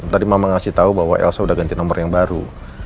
tadi mama ngasih tahu bahwa elsa sudah ganti nomor yang baru